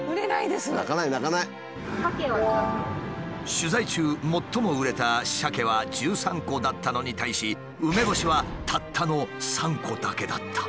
取材中最も売れたしゃけは１３個だったのに対し梅干しはたったの３個だけだった。